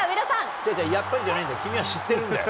違う、違う、やっぱりじゃないんだ、君は知ってるんだよ。